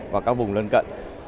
và các vùng lên cận